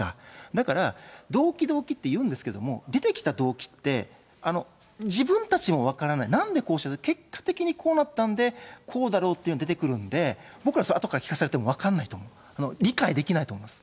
だから、動機、動機っていうんですけども、出てきた動機って、自分たちも分からない、なんでこうなったのか、こうなったんでこうだろうっていうのが出てくるんで、僕ら、あとから聞かされても分からないと思う、理解できないと思います。